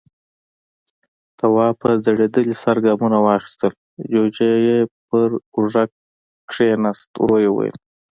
تواب په ځړېدلي سر ګامونه واخيستل، جُوجُو يې پر اوږه کېناست، ورو يې وويل: